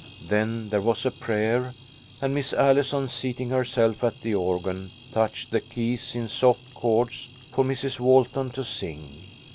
Then there was a prayer, and Miss Allison, seating herself at the organ, touched the keys in soft chords for Mrs. Walton to sing.